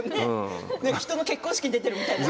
人の結婚式に出ているみたいな。